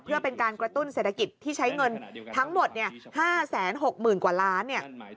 เพื่อเป็นการกระตุ้นเศรษฐกิจที่ใช้เงินทั้งหมด๕๖๐๐๐กว่าล้านเนี่ย